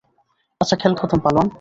আচ্ছা, খেল খতম, পালোয়ান।